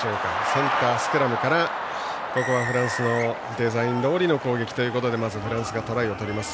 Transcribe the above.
センタースクラムからフランスのデザインどおりの攻撃でまずフランスがトライを取ります。